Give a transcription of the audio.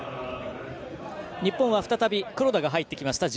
日本は再び黒田が入ってきました。